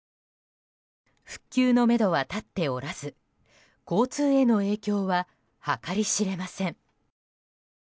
復旧のめどは立っておらず交通への影響は計り知れません。